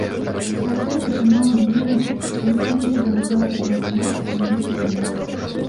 Санчэс атрымаў две вышэйшых адукацыі па матэматыцы і гісторыі.